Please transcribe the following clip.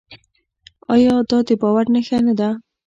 آیا دا د باور نښه نه ده؟